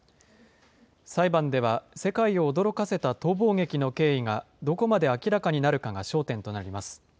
裁判では、世界を驚かせた逃亡劇の経緯がどこまで明らかになるかが焦点となります。